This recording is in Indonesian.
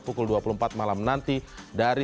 pukul dua puluh empat malam nanti dari